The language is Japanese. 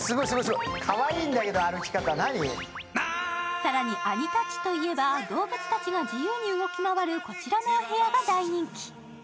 さらにアニタッチといえば、動物たちが自由に歩き回るこちらのお部屋が人気。